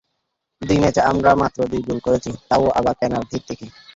দুই ম্যাচে আমরা মাত্র দুই গোল করেছি, তা-ও আবার পেনাল্টি থেকে।